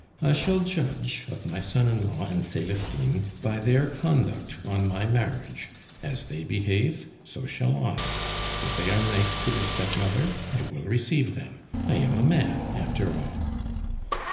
I shall judge of my son in law and Celestine by their conduct on my marriage; as they behave, so shall I. If they are nice to their stepmother, I will receive them. I am a man, after all!